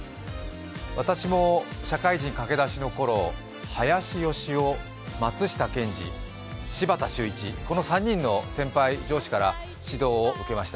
私も社会人駆け出しのころ、ハヤシヨシオ、柴田秀一、この３人の先輩上司から指導を受けました。